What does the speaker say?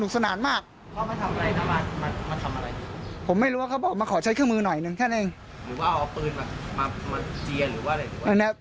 หรือว่าเอาปืนมาเซียหรือว่าอะไร